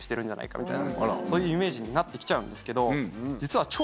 そういうイメージになって来ちゃうんですけど実は。